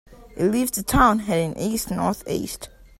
It leaves the town heading east-north-east.